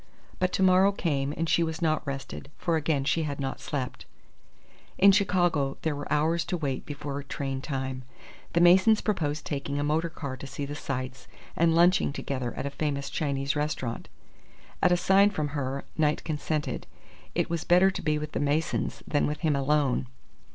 But to morrow came and she was not rested; for again she had not slept. In Chicago there were hours to wait before train time. The Masons proposed taking a motor car to see the sights, and lunching together at a famous Chinese restaurant. At a sign from her, Knight consented. It was better to be with the Masons than with him alone.